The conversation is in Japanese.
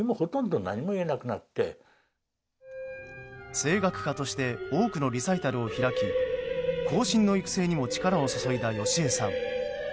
声楽家として多くのリサイタルを開き後進の育成にも力を注いだ芳枝さん。